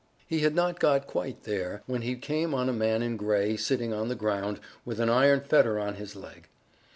He had not got quite there when he came on a man in gray, sitting on the ground, with an iron fetter on his leg.